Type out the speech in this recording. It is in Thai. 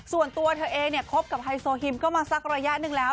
ส่วนตัวเธอเองเนี่ยคบกับไฮโซฮิมก็มาสักระยะหนึ่งแล้ว